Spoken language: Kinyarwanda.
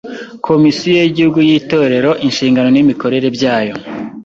Komisiyo y’Igihugu y’Itorero, Inshingano n’Imikorerere byayo.